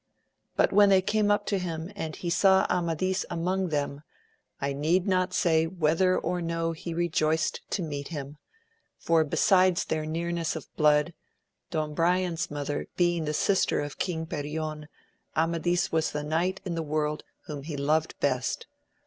But when they came up to him, and he saw Amadis among them, I need not say whether or no he rejoiced to meet him, for besides their nearness of blood; Don Brian's mother being the sister of King Perion, Amadis was the knight in the world whom he loved best.